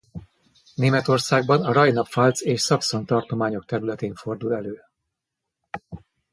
Németországban a Rajna-Pfalz és Saxon tartományok területén fordul elő.